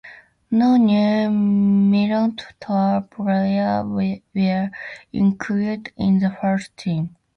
No New Milton Town players were included in the first team.